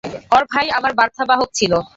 ওর ভাই আমার বার্তাবাহক ছিল।